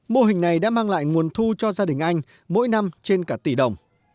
mô hình này đã mang lại nguồn thu cho gia đình anh mỗi năm trên cả tỷ đồng